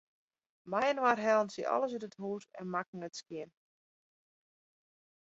Mei-inoar hellen se alles út it hús en makken it skjin.